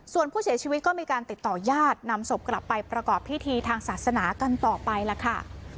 ส่วนผู้เสียชีวิตก็มีการติดต่อญาตินำศพกลับไปประกอบพิธีทางศาสนากันต่อไปล่ะค่ะ